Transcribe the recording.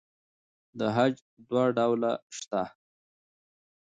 د خج دوه ډولونه شته.